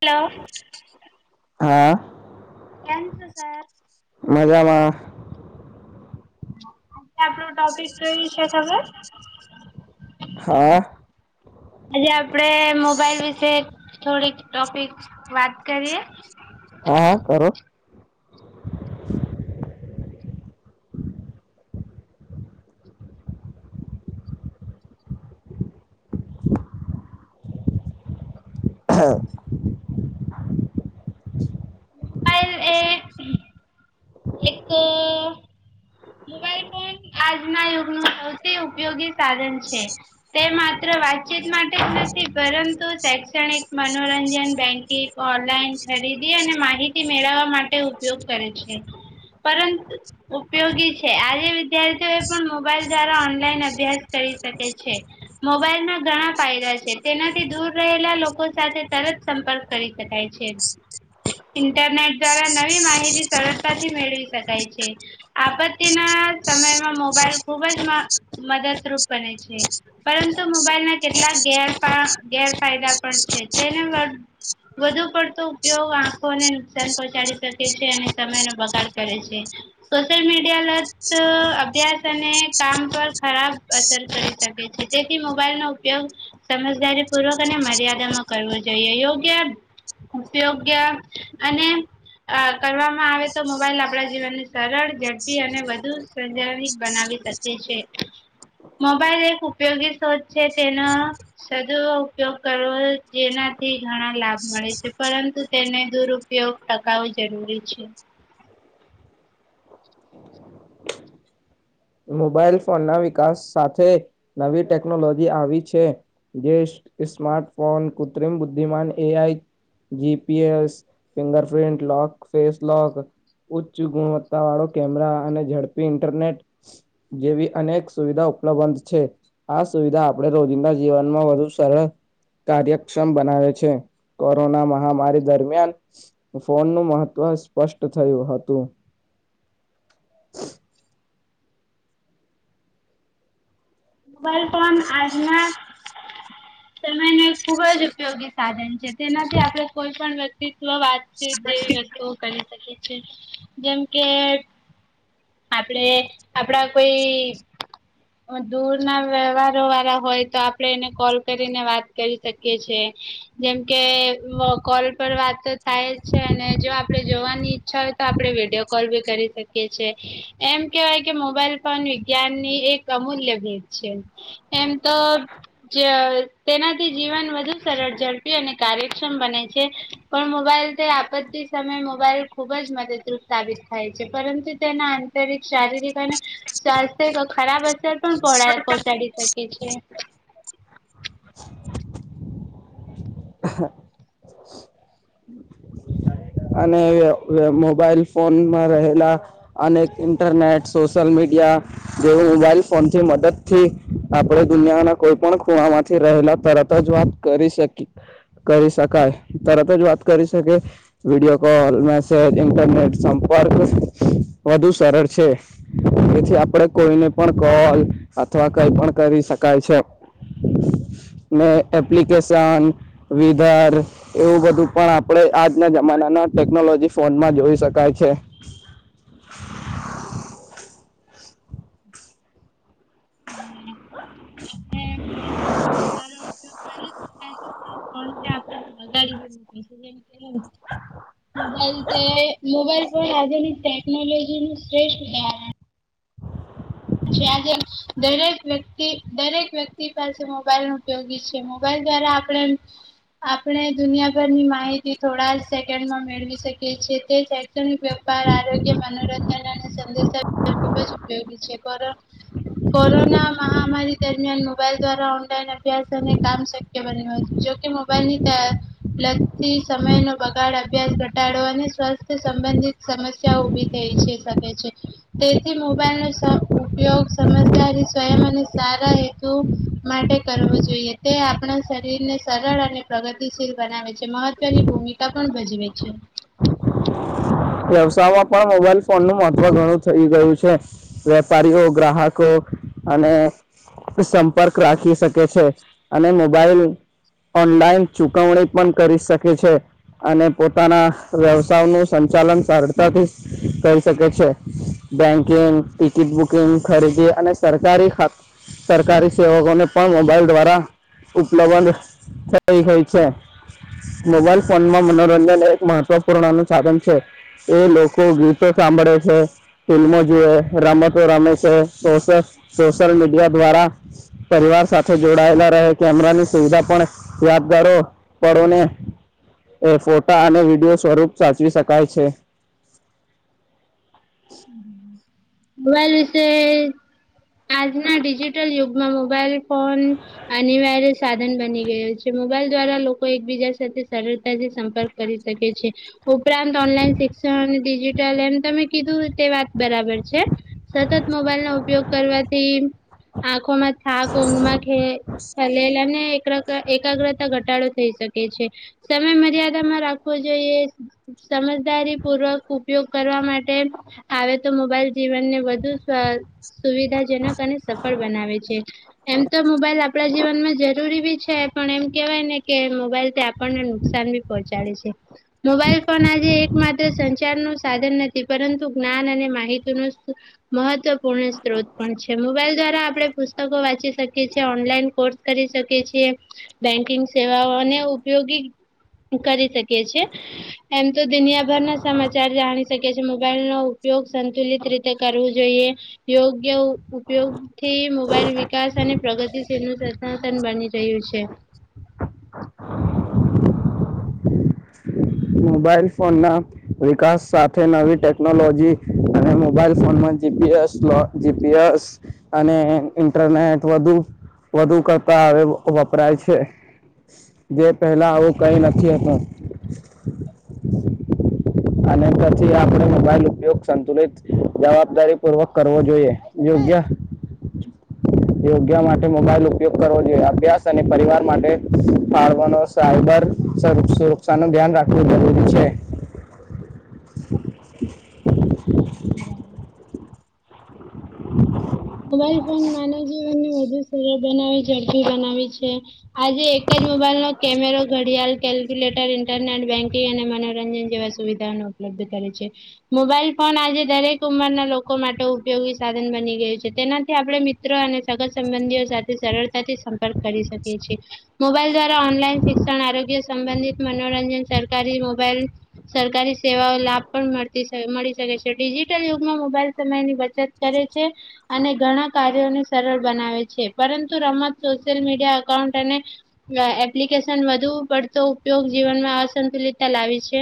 Hello હા થ sir જામાં આપણું ટોપિક કઈ છે ખબર હા હા આજે આપડે મોબાઈલ વિશે થોડીક ટોપિક વાત કરીએ હા કરો [unintelligible] હા મોબાઈલ એ એક મોબાઈલ ફોન આજના યુગનું સૌથી ઉપયોગી સાધન છે તે માત્ર વાતચીત માટે જ નથી પરંતુ શૈક્ષણિક મનોરંજન બેન્કિંગ ઓનલાઈન થઈ ખરીદી અને માહિતી મેળવવા માટે ઉપયોગ કરે છે પરંતુ ઉપયોગી આજે વિદ્યાર્થી એ પણ મોબાઈલ દ્વારા ઓનલાઈન અભ્યાસ કરી શકે છે મોબાઈલમાં ઘણા ફાયદા છે તેનાથી દૂર રહેલા લોકો સાથે તરત સંપર્ક કરી શકાય છે ઇન્ટરનેટ દ્વારા નવી માહિતી સરળતાથી મેળવી શકાય છે આ [inaudible] સમયમાં મોબાઈલ ખુબ જ મદદરૂપ બને છે પરંતુ મોબાઈલ ના કેટલાક ગેર ગેરફાયદા પણ છે જેને વધુ પડતો ઉપયોગ આંખોને નુકસાન પહોંચાડી શકે છે અને સમયનો બગાડ કરે છે સોશલ મીડ લત અભ્યાસ અને કામ પર ખરાબ અસર કરી શકે છે તેથી મોબાઈલ ન ઉપયોગ સમજદારી પૂર્વક અને મર્યાદામાં કરવો જોઈએ યોગ્ય ઉપયોગ્ય અને અ કરવામાં આવે તો મોબાઈલ આપણા જીવનની સરળ અને વધુ સજન બનાવી શકે છે મોબાઈલ એક ઉપયોગી શોધ છે તેનો સદુ ઉપયોગ કરવો જેના થી ઘણા લાભ મળે છે પરંતુ તેને દુરુપયોગ ટકાવો જરૂરી છે મોબાઈલ ફોન ના વિકાસ સાથે નવી ટેકનોલોજી આવી છે જે સ્માર્્ટ ફોન કૃત્રિમ બુદ્ધિમાન એ આઈ GPS finger print lock face lock ઉચ્ચ ગુણવત્તા વાળો કેમેરા અને ઝડપી ઇન્ટરનેટ હ જેવી અનેક સુવિધા ઉપલબ્ધ છે આ સુવિધા આપણે રોજિંદા જીવનમાં વધુ સરળ કાર્યક્ષમ બનાવે છે કોરોના મહામારી દરમિયાન ફોનનુંું મહત્વ સ્પષ્ટ થયું હતું મોબાઈલ ફોન આજના સમય ન ખુબ જ ઉપયોગી સાધન છે તેનાથી આપડે કોઈ પણ વ્યક્તિ સ્ વાત છેી જે વસ્તુઓ કરી શકે છે જેમ કે આપડે આપડા કોઈ દૂર ના વ્યવહાર વાળા હોય તો આપડે એને કોલ કરીને વાત કરી શકીએ છેએ જેમકે કોલ પર વાત થાય છે અને જો આપે જોવાની ઈચ્છા તો આપડણે વિડીયો કોલ ભી કરી શકીએ છીએ એમ કેવાય કે મોબાઈલ ફોન વિજ્ઞાનની એક અમૂલ્ય ભેદ છે એમ તો ઘર તેનાથી જીવન વધુ સરળ ઝડપી અને કાર્યક્ષમ બને છે પણ મોબાઈલ બથી આપત્તી સમયે મોબાઈલ ખુબ જ મદદરૂપ સાબિત થાય છે પરંતુ તેના આંતરિક શારીરિક અને સ્વાસ્થ્યિક ખરાબ અસર પણ પહોંચાડી શકે એ છે અને મોબાઈલ ફોનમાં રહેલા અનેક ઇન્ટરનેટ સોશિયલ મીડિયા જે મોબાઈલ ફોન થી મદદ થી આપણે દુનિયાના કોઈ પણ ખૂણા માંથી રહેલા તરત જ વાત કરી શકી કરી શકાય તરત જ વાત કરી શકે વિડીિયો કોલ મેસેજ ઇન્ટરનેટ સંપર્ક વધુ સરળ છે તેથી આપડે કોઈને પણ કોલ અથવા કઈ પણ કરી શકાય છે [inaudible] ને એપ્લિકેશન વિધર એવું બધું પણ આપણેે આ આજના જમાનાના ટેકનોલોજી ફોનમાં જોઈ શકાય છે [inaudible] હમ [unintelligible] સારો ઉપયોગ કરી કોણ છે આપણને બગાડી ગેું ડસન કર મોબાઈલ મોબાઈલ ફોન આજેની ટેકનોલોજી નું શ્રેષ્ઠ ઉદાહરણ છે આજે દરેક વ્યક્તિ દરેક વ્યક્તિ પાસે મોબાઈલ ન ઉપયોગી છે મોબાઈલ દ્વારા આપણે આપણે દુનિયાભરની માહિતી થોડા સેકન્ડ માં મેળવી શકીએ છીએ તે વપાર આરોગ્ય મનોરંજન અને સંેશ ખૂબ ઉપયોગી છે કોરોના મહામારી દરમિયાન મોબાઈલ દ્વારા ઓનલાઈન અભ્યાસ અને કામ શક્ય બન્યું હતું જોકે મોબાઈલની લગતી સમય નો બગાડ અભ્યાસ ઘટાડો અને સ્વસ્થ સંબંધિત સમસ્યાઓ ઉભી થઈ જ શકે છે તેથી મોબાઈલ ઉપયોગ સમજદારી સ્વયં અને સારા હેતુ માટે કરવો જોઈએ તે આપણે શરીરને સરળ અને પ્રગતિશીલ બનાવે છે મહત્વની ભૂમિકા પણ ભજવે છે [inaudible] વ્યવસાયમાં પણ મોબાઈલ ફોન નું મહત્વ ઘણું થઈ ગયું છે વેપારીઓ ગ્રાહકો અને સંપર્ક રાખી શકે છે અને મોબાઈલ ઓનલાઈન ચુકવણી પણ કરી શકે છે અને પોતાના વ્યવસાય નું સંચાલન સરળતાથી કરી શકે છે બેંકિંગ ટિકિટ બુકિંગ ખરીદી અને સરકારી ખા સરકારી સેવકોને પણ મોબાઈલ દ્વારા ઉપલબ્ધ થઈ હોય છે મોબાઈલ ફોનમાં મનોરંજન એક મહત્વપૂર્ણ નું સાધન છે એ લોકો ગીતો સાંભળે છે ફિલ્મો જોુએ રમતો રમે છે સોશિયલ મીડિયા દ્વારા પરિવાર સાથે જોડાયેલા રહે કેમેરાની સુવિધા પણ યાજદારો પરોને ફોટા અને વિડીિયો સ્વરૂપ સાચવી શકે કાય છે મોબાઈલ વિશે આજના ડિજિટલ યુગમાં મોબાઈલ ફોન અનિવાર્ય સાધન બની ગયો છે મોબાઈલ દ્વારા લોકો એકબીજા સાથે સરળતાથી સંપર્ક કરી શકે છે ઉપરાંત ઓનલાઈન શિક્ષ અને ડિજિટલ એમ તમે કીધું તે વાત બરાબર છે સતત મોબાઈલનોો ઉપયોગ કરવાથી આંખોમાં થાક ઊંઘમાં ખેલેલા ને એકાગ્રતા ઘટાડો થઈ છે છે સમય મર્યાદામાં રાખવો જોઈએ સમજદારી પૂર્વક ઉપયોગ કરવા માટે આવે તો મોબાઈલ જીવનને વધુ સુવિધાજનક અને સફળ બનાવે છે એમ તો મોબાઈલ આપણા જીવનમાં જરૂરી બી છે પણ એમ કેવાય ને કે મોબાઈલ આપણને નુકસાન ભી પહોંચાડે છે મોબાઈલ ફોન આજે એક માત્ર સંચાર નું સાધન નથી પરંતુ જ્ઞાન અને માહિતી નું મહત્વપૂર્ણ સ્ત્રોત પણ છે મોબાઈલ દ્વારા આપણે પુસ્તકો વાી ી ઓનલાઈન કોર્સ કરી શકી છએ બેન્કિંગ સેવાઓ અને ઉપયોગી કરી શકે છે એમ તો દુનિયાભર ના સમાચાર જાણી શકે છે મોબાઈલ નો ઉપયોગ સંતુલિત રીતે કરવું જોઈએ યોગ્ય ઉપયોગથી મોબાઈલ વિકાસ અને પ્રગતિથીનું સતન બની રહ્યું છે મોબાઈલ ફોન ના વિકાસ સાથે નવી ટેકનોલોજી અને મોબાઈલ ફોનમાં સ જીપીએસ અને ઇન્ટરનેટ વધુ વધુ કરતા આવે વપરાય છે જે પહેલા આવું કઈ નથીતું અને પછી આપણે મોબાઈલ ઉપયોગ સંતુલિત જવાબદારી પૂર્વક કરવો જોઈએ અ્યા [inaudible] યોગ્ય માટે મોબાઈલ ઉપયોગ કરવો જોઈએ અભ્યાસ અને પરિવાર માટે ફાળવાનો સાયબર સર સુરક્ષા નું ધ્યાન રાખવું જરૂરી છે [inaudible] [unintelligible] હા મોબાઈલ ફોન માનવ જીવન વધુ સરળ બનાવી ઝડપી બનાવી છે આજે એક જ મોબાઈલ નો કેમેરો ઘડિયાળ કેલ્ક્યુલેટર ઇન્ટરનેટ બેન્કિંગ અને મનોરંજન જેવા સુવિધાઓ ન ઉપ કરે છે મોબાઈલ ફોન આજે દરેક ઉંમરના લોકો માટે ઉપયોગી સાધન બની ગયું છે તેનાથી આપણે મિત્રો અને સગન સંબંધીઓ સાથે સરળતાથી સંપર્ક કરી શકીએ છીએ મોબાઈલ દ્વારા ઓનલાઈન શિક્ષણ આરોગ્ય સંબંધિત મનોરંજન સરકારી મોબાઈલ સરકારી સેવાઓ લાભ પણ મળતી મળી શકે છે ડિજિટલ યુગમાં મોબાઈલ સમયની બચત કરે છે અને ઘણા કાર્યોને સરળ બનાવે છે પરંતુ રમત સોશિયલ મીડિયા એકાઉન્ટ અને એપ્લિકેશન વધુ પડતો ઉપયોગ જીવનમાં અસંતુલિતતા લાવી છે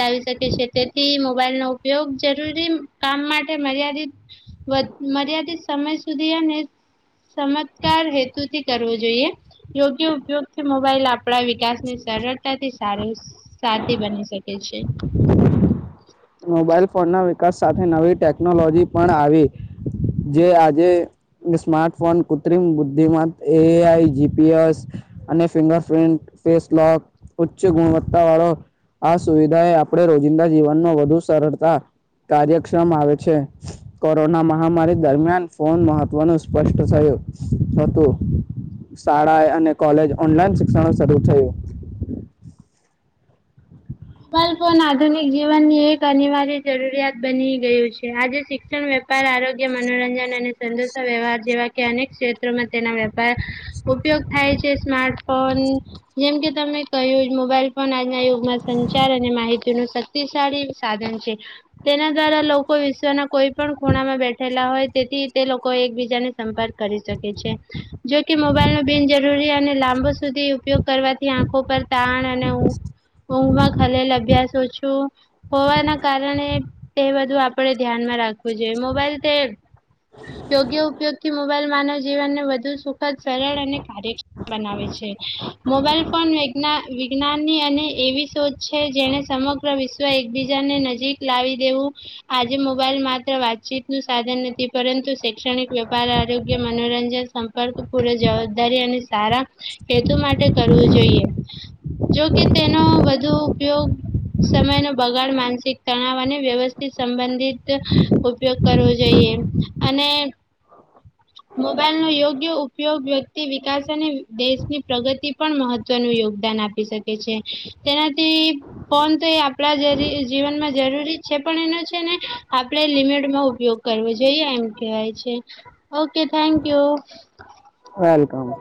લાવી શકે છે તેથી મોબાઈલ નો ઉપયોગ જરૂરી કામ માટે મર્યાદિત મર્યાિત સમય સુધી ચમત્કાર હેતુથી કરવો જોઈએ યોગ્ય ઉપયોગથી મોબાઈલ આપણા વિકાસ ની સરળતાથી સાર સાથી બની શકે છે છે મોબાઈલ ફોન ના વિકાસ સાથે નવી ટેકનોલોજી પણ આવી જે આજે સ્માર્ટફોન કૃત્રિમ બુદ્ધિમાત એઆઈ જીપીએસ અને ફિંગરપ્રિન્ટ ફેસક ઉચ્ચ ગુણવત્તા વાળો આ સુવિધા એ આપણે રોજિંદા જીવનમાં વધુ સરળતા કાર્યક્ષમ આવે છે કોરોના મહામારી દરમિયાન ફોન મહત્વનું સ્પષ્ટ થયું શાળા અને કોલેજ ઓનલાઈન શિક્ષણ શરૂ થયું [inaudible] મોબાઈલ ફોન આધુનિક જીવનની એક અનિવાર્ય જરૂરિયાત બની ગયું છે આજે શિક્ષણ વેપાર આરોગ્ય મનોરંજન અને સંંતોષ ના વ્યવહાર જેવા કે અનેક ક્ષેત્રોમાં તેના વેપાર ઉપયોગ થાય છે. સ્માર્ટફોન જેમ કે તમે કહ્યું મોબાઈલ ફોન આજના યુગમાં સંચાર અને માહિતીનું શક્તિશાળી સાધન છે. તેના દ્વારા લોકો વિશ્વના કોઈ પણ ખૂણામાં બેઠેલા હોય તેથી તે લોકો એકબીજાને સંપર્ક કરી શકે છે. જોકે મોબાઈલ ન બિનજરૂરી અને લાંબો સુધી ઉપયોગ કરવાથી આંખો પર તાણ અને ઊંઘમાં ખલેલ હોવાના કારણે તે બધું આપણે ધ્યાનમાં રાખવું જોઈએ. મોબાઈલ હેર. યોગ્ય ઉપયોગ થી મોબાઈલ માનવ જીવનને વધુ સુખદ સરળ અને કાર્યક્ષ બનાવે છે. મોબાઈલ ફોન વિજ્ઞાનની અને એવી શોધ છે જેને સમગ્ર વિશ્વ એકબીજાને નજીક લાવી દેવું આજે મોબાઈલ માત્ર વાતચીત નું સાધન નથી પરંતુ શૈક્ષણિક વેપાર આરોગ્ય મનોરંજન સંપર્ક પૂ જવાબદારી અને સારા હેતુ માટે કરવું જોઈએ. જોકે તેનો વધુ ઉપયોગ સમય નો બગાડ માનસિક તણાવ અને વ્યવસ્થિત સંબંધિત ઉપયોગ કરવો જોઈએ અને મોબાઈલ નો યોગ્ય ઉપયોગ વ્યક્તિ વિકાસ અને દેશની પ્રગતિ પણ મહત્વનું યોગ યોગદાન આપી શકે છે તેનાથી ફોન તો એ આપણા જ જીવનમાં જરૂરી છે. છે. પણ એનો છે ને આપણે લિમિટમાં ઉપયોગ કરવો જોઈએ એમ કહેવાય છે. Okay thank you. વેલકમ.